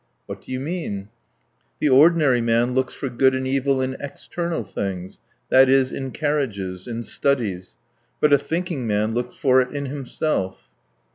"What do you mean?" "The ordinary man looks for good and evil in external things that is, in carriages, in studies but a thinking man looks for it in himself."